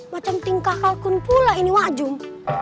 macam tingkah kalkun pula ini wak jum